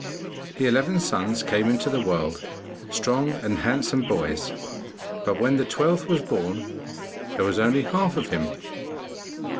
The eleven sons came into the world, strong and handsome boys; but when the twelfth was born, there was only half of him.